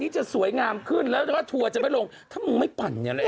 เป็นห่วงพี่พี่มดแบบตัวเขาไปเจออะไรที่ไม่ดี